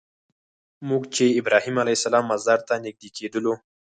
موږ چې ابراهیم علیه السلام مزار ته نږدې کېدلو.